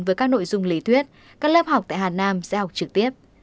với các nội dung lý thuyết các lớp học tại hà nam sẽ học trực tiếp